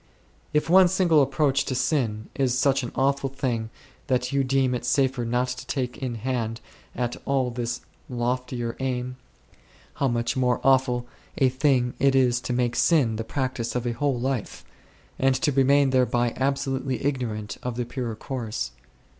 If one single approach to sin is such an awful thing that you deem it safer not to take in hand at all this loftier aim, how much more awful a thing it is to make sin the practice of a whole life, and to remain thereby absolutely ignorant of the purer course